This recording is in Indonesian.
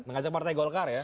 mengajak partai golkar ya